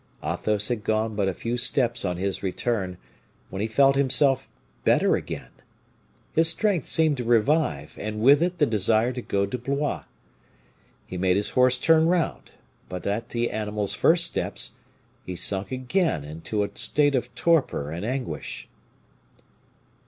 Athos had gone but a few steps on his return, when he felt himself better again. His strength seemed to revive and with it the desire to go to Blois. He made his horse turn round: but, at the animal's first steps, he sunk again into a state of torpor and anguish.